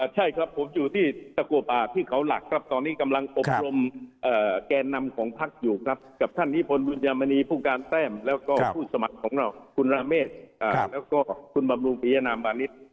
ใช่ครับผมอยู่ที่ตะกัวป่าที่เขาหลักครับตอนนี้กำลังอบรมแกนนำของพักอยู่ครับกับท่านนิพนธบุญยามณีผู้การแต้มแล้วก็ผู้สมัครของเราคุณราเมฆแล้วก็คุณบำรุงปียนามมานิด